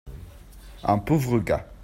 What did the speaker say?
un pauvre gars.